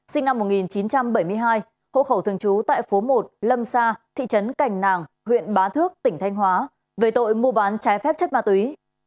sinh năm một nghìn chín trăm bảy mươi hai hộ khẩu thường trú tại phố một lâm sa thị trấn cảnh nàng huyện bá thước tỉnh thanh hóa về tội mua bán trái phép chất ma túy